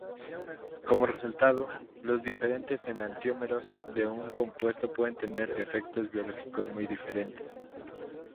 Como resultado, los diferentes enantiómeros de un compuesto pueden tener efectos biológicos muy diferentes.